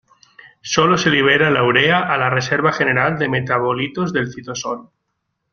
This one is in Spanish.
Sólo se libera la urea a la reserva general de metabolitos del citosol.